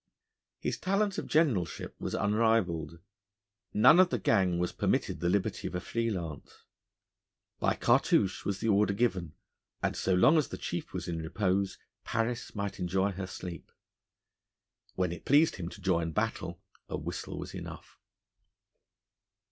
His talent of generalship was unrivalled. None of the gang was permitted the liberty of a free lance. By Cartouche was the order given, and so long as the chief was in repose, Paris might enjoy her sleep. When it pleased him to join battle a whistle was enough.